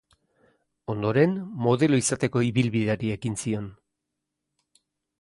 Ondoren modelo izateko ibilbideari ekin zion.